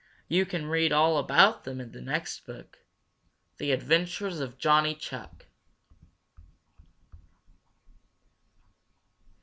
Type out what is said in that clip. You can read all about them in the next book, The Adventures of Johnny Chuck.